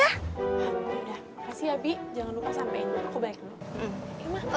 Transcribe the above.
ya udah makasih ya bi jangan lupa sampein aku balik dulu